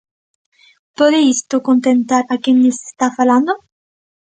¿Pode isto contentar a quen lles está falando?